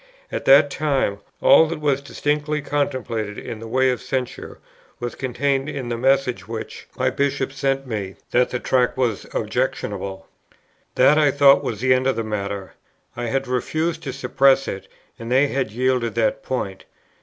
At that time, all that was distinctly contemplated in the way of censure, was contained in the message which my Bishop sent me, that the Tract was "objectionable." That I thought was the end of the matter. I had refused to suppress it, and they had yielded that point.